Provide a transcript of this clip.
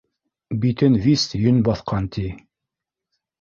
Битен вис йөн баҫҡан, ти.